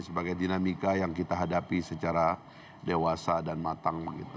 sebagai dinamika yang kita hadapi secara dewasa dan matang